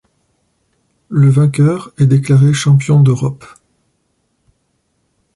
Le vainqueur est déclaré Champion d'Europe.